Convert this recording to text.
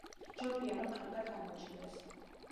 ჯობია, რომ კარგად გამოჩნდეს.